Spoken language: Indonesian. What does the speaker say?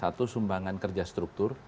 yang kedua sumbangan kerja struktur